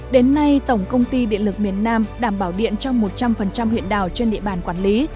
đến nay tổng công ty điện lực miền nam đảm bảo điện cho một trăm linh huyện đảo trên địa bàn quản lý